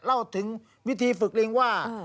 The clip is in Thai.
เล่าถึงวิธีฝึกลิงว่า